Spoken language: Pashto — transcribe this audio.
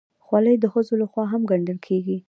خولۍ د ښځو لخوا هم ګنډل کېږي.